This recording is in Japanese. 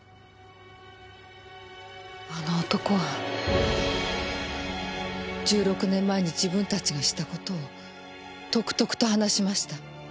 あの男は１６年前に自分たちがした事をとくとくと話しました。